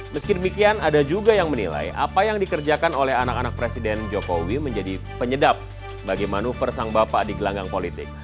meski demikian ada juga yang menilai apa yang dikerjakan oleh anak anak presiden jokowi menjadi penyedap bagi manuver sang bapak di gelanggang politik